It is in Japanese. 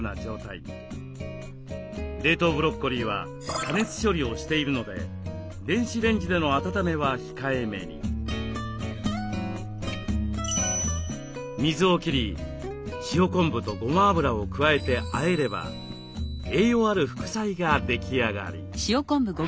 冷凍ブロッコリーは加熱処理をしているので水を切り塩昆布とごま油を加えてあえれば栄養ある副菜が出来上がり。